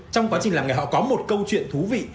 trong quá trình làm nghề họ có một câu chuyện thú vị